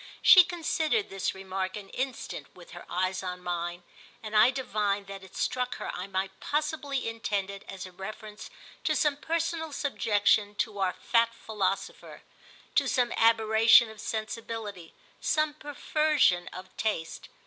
She considered this remark an instant with her eyes on mine, and I divined that it struck her I might possibly intend it as a reference to some personal subjection to our fat philosopher, to some aberration of sensibility, some perversion of taste.